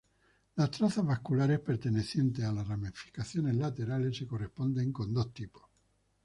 Las trazas vasculares pertenecientes a las ramificaciones laterales se corresponden con dos tipos.